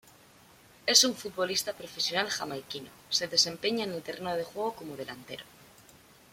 Es un futbolista profesional jamaiquino, Se desempeña en el terreno de juego como Delantero.